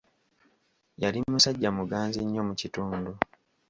Yali musajja muganzi nnyo mu kitundu.